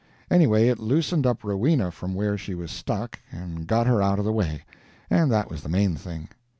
Anyway it loosened up Rowena from where she was stuck and got her out of the way, and that was the main thing.